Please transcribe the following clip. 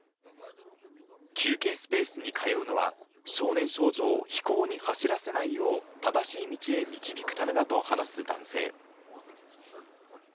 休憩スペースに通うのは、少年少女を非行に走らせないよう、正しい道へ導くためだと話す男性。